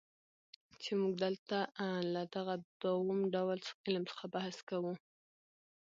چي موږ دلته له دغه دووم ډول علم څخه بحث کوو.